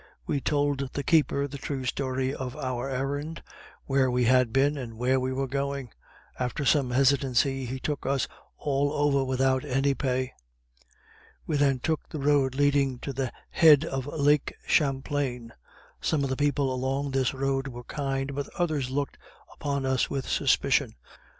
We told the keeper the true story of our errand where we had been, and where we were going: after some hesitancy he took us all over without any pay. We then took the road leading to the head of lake Champlain; some of the people along this road were kind, but others looked upon us with suspicion.